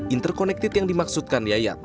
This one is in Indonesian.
interkonektif yang dimaksudkan yayat